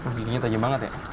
giginya tajam banget ya